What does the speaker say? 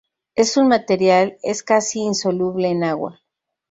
Es un material es casi insoluble en agua.